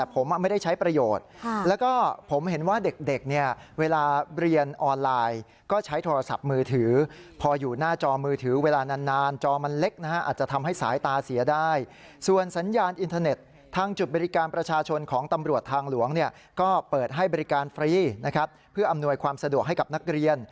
ฟรีนะครับเพื่ออำนวยความสะดวกให้กับนักเรียน